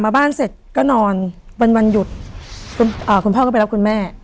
มาบ้านเสร็จก็นอนเป็นวันหยุดคุณพ่อก็ไปรับคุณแม่